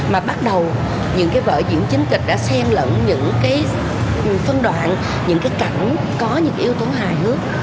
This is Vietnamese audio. mà bắt đầu những cái vở diễn chính kịch đã xem lẫn những cái phân đoạn những cái cảnh có những cái yếu tố hài hước